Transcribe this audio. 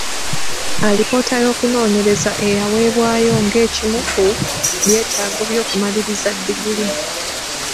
Alipoota y’okunoonyereza eyaweebwayo ng’ekimu ku byetaago by’okumaliriza ddiguli.